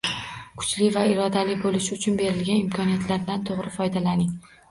Kuchli va irodali bo‘lish uchun berilgan imkoniyatdan to‘g‘ri foydalaning.